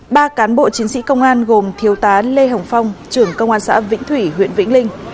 ba cán bộ chiến sĩ công an gồm thiếu tá lê hồng phong trưởng công an xã vĩnh thủy huyện vĩnh linh